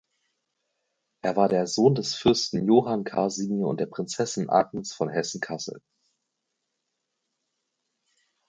Er war der Sohn des Fürsten Johann Kasimir und der Prinzessin Agnes von Hessen-Kassel.